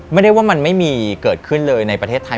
ไม่ได้ว่ามันไม่มีเกิดขึ้นเลยในประเทศไทย